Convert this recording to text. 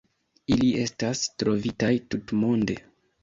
Ili estas trovitaj tutmonde.